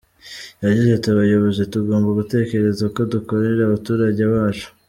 Yagize ati “Abayobozi tugomba gutekereza uko dukorera abaturage bacu.